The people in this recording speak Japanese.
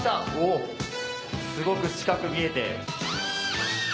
おぉすごく近く見えて。